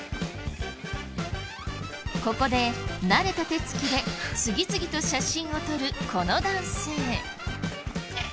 ここで慣れた手つきで次々と写真を撮るこの男性。